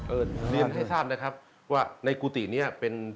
เรียนให้ทราบนะครับว่าในกุฏินี้เป็น